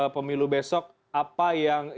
pemilu besok apa yang